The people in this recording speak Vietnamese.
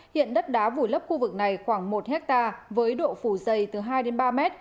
hiện đất đá vùi lấp khu vực này khoảng một hectare với độ phủ dày từ hai ba m